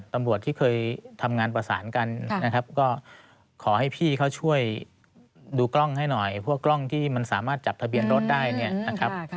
ตำรวจที่เคยทำงานประสานกันนะครับก็ขอให้พี่เขาช่วยดูกล้องให้หน่อยพวกกล้องที่มันสามารถจับทะเบียนรถได้เนี่ยนะครับ